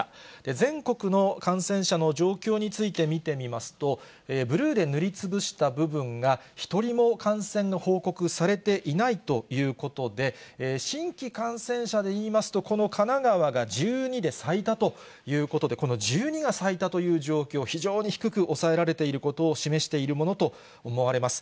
全国の感染者の状況について見てみますと、ブルーで塗りつぶした部分が１人も感染の報告されていないということで、新規感染者でいいますと、この神奈川が１２で最多ということで、この１２が最多という状況、非常に低く抑えられていることを示しているものと思われます。